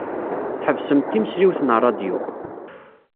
Tḥebsemt timesliwt n ṛṛadyu.